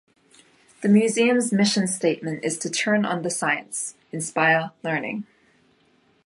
The museum's mission statement is to Turn on the science: Inspire learning.